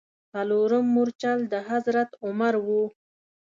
څلورم مورچل د حضرت عمر و.